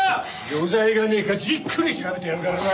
余罪がねえかじっくり調べてやるからな。